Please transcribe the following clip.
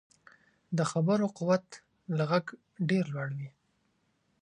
د خبرو قوت له غږ ډېر لوړ وي